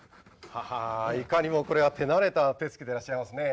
ははいかにもこれは手慣れた手つきでいらっしゃいますね。